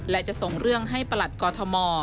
และจะส่งเรื่องให้ประหลัดกอทม